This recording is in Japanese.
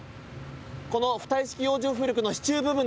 この浮体式洋上風力の支柱部分